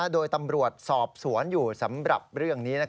โดยตำรวจสอบสวนอยู่สำหรับเรื่องนี้